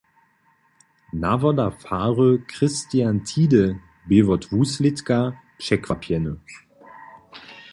Nawoda fary Christian Tiede bě wot wuslědka překwapjeny.